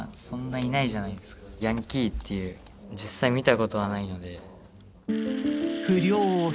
ヤンキーっていう実際見たことはないので。